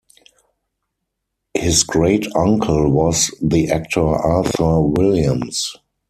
His great-uncle was the actor Arthur Williams.